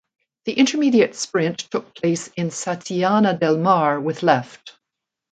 The intermediate sprint took place in Santillana del Mar with left.